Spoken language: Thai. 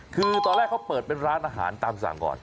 คือตอนแรกเขาเปิดเป็นร้านอาหารตามสั่งก่อน